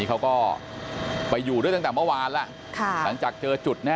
ขอบคุณทุกคน